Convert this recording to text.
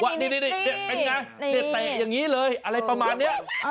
นี่เป็นไงเนี่ยเตะอย่างนี้เลยอะไรประมาณนี้